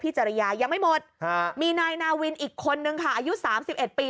จริยายังไม่หมดมีนายนาวินอีกคนนึงค่ะอายุ๓๑ปี